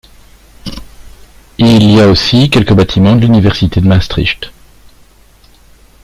Il y a aussi quelques bâtiments de l'Université de Maastricht.